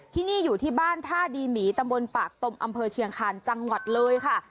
ที่นี่อยู่ที่บ้านท่าดีหมีตำบลปากตมอำเภอเชียงคาญจังหวัดเลยค่ะ